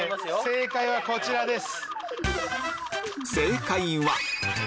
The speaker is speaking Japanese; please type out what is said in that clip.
正解はこちらです。